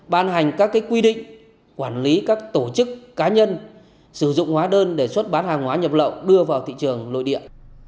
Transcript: ban hành các quy định quản lý các tổ chức cá nhân sử dụng hóa đơn để xuất bán hàng hóa nhập lậu đưa vào thị trường nội địa